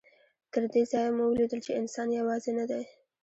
تر دې ځایه مو ولیدل چې انسان یوازې نه دی.